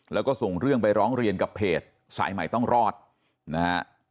แล้วก็ส่งเรื่องไปร้องเรียนกับเพจสายใหม่ต้องรอดนะฮะ